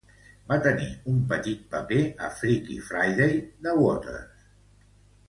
Va tenir un petit paper a "Freaky Friday" de Waters.